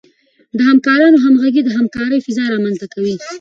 د همکارانو همغږي د همکارۍ فضا رامنځته کوي.